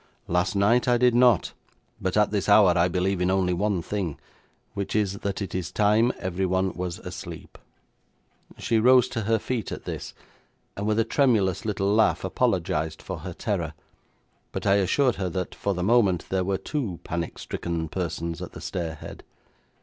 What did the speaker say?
'Last night I did not, but at this hour I believe in only one thing, which is that it is time everyone was asleep.' She rose to her feet at this, and with a tremulous little laugh apologised for her terror, but I assured her that for the moment there were two panic stricken persons at the stair head.